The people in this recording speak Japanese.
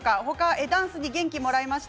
ダンスに元気をもらいました。